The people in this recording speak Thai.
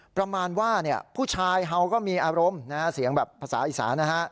ประมาณว่าผู้ชายเฮาก็มีอารมณ์เสียงแบบภาษาอีสานนะฮะ